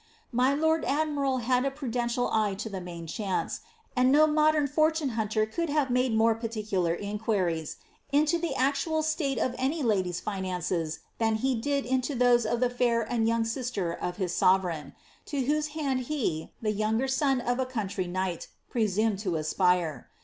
My lonJ admiral had a prudential eye to the main chance, and no niodeni fortune hunter could have made liiore particular inquiries into the actual state of any lady's finances than he did into those of the fair and youthful sister of his sovereign, to whose hand he, the younger son of a country knight, presumed to aspire.